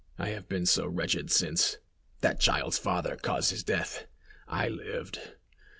I have been so wretched since. That child's father caused his death! I lived!